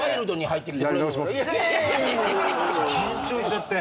緊張しちゃって。